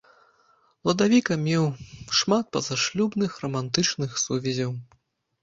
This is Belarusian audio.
Ладавіка меў шмат пазашлюбных рамантычных сувязяў.